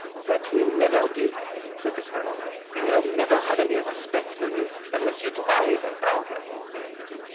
"That will never do," said the Colonel; "he will never have any respect for you unless you drive a bargain."